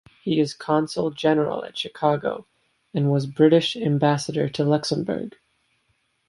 He is Consul General at Chicago, and was British Ambassador to Luxembourg.